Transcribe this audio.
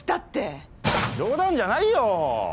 冗談じゃないよ。